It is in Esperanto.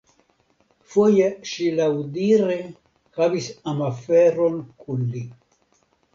Foje ŝi laŭdire havis amaferon kun li.